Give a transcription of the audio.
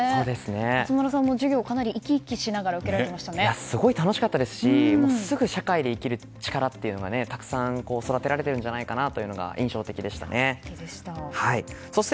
松丸さんも授業生き生きしながらすごい楽しかったですしすぐ社会で生きる力というのがたくさん育てられているんじゃないかというのが印象的でした。